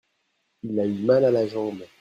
Il a eu mal à la jambe.